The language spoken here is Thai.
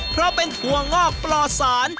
เพราะเป็นถั่วงอกปลอดสาร